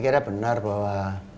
saya kira itu benar bahwa